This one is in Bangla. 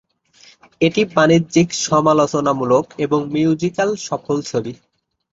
এটি বাণিজ্যিক, সমালোচনামূলক এবং মিউজিক্যাল সফল ছবি।